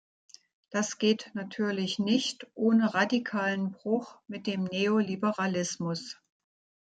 Das geht natürlich nicht ohne radikalen Bruch mit dem Neoliberalismus.